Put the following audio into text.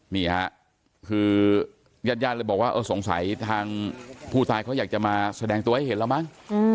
นี่ค่ะคือญาติญาติเลยบอกว่าเออสงสัยทางผู้ตายเขาอยากจะมาแสดงตัวให้เห็นแล้วมั้ง